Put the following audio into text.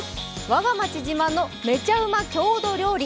わが町自慢のめちゃウマ郷土料理。